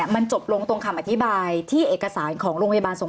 มันจบลงในคำอธิบายที่เอกสาร